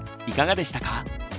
いかがでしたか？